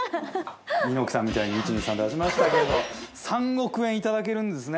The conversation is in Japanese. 猪木さんみたいに１２３だしましたけれど３億円いただけるんですね